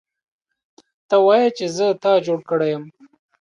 ته وایې چې زه تا جوړ کړی یم